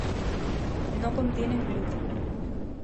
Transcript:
No contienen gluten.